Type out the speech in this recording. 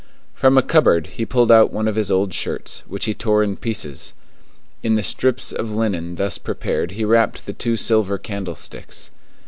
From a cupboard he pulled out one of his old shirts, which he tore in pieces. In the strips of linen thus prepared he wrapped the two silver candlesticks.